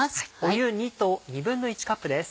湯２と１／２カップです。